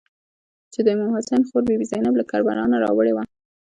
چې د امام حسین خور بي بي زینب له کربلا نه راوړې وه.